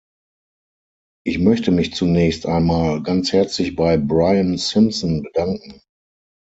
Ich möchte mich zunächst einmal ganz herzlich bei Brian Simpson bedanken.